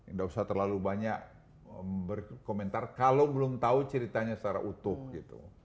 nggak usah terlalu banyak berkomentar kalau belum tahu ceritanya secara utuh gitu